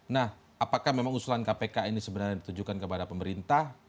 nah apakah memang usulan kpk ini sebenarnya ditujukan kepada pemerintah